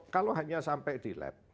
kalau hanya sampai di lab